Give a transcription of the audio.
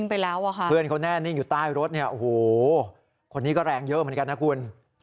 เพื่อนเขาแน่นิ่งอยู่ใต้รถเนี่ยโอ้โหคนนี้ก็แรงเยอะเหมือนกันนะคุณ